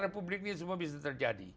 republik ini semua bisa terjadi